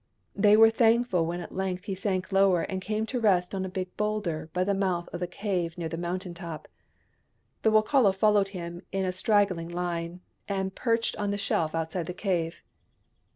They were thankful when at length he sank lower and came to rest on a big boulder by the mouth of the cave near the mountain top. The Wokala followed him in a straggling line, and perched on the shelf outside the cave.